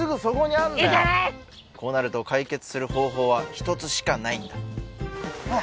こうなると解決する方法は一つしかないんだほら